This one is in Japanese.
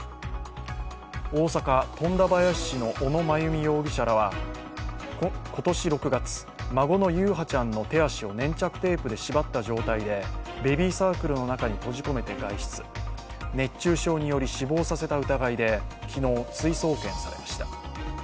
大阪・富田林市の小野真由美容疑者らは今年６月、孫の優陽ちゃんの手足を粘着テープで縛った状態でベビーサークルの中に閉じ込めて外出、熱中症により死亡させた疑いで昨日、追送検されました。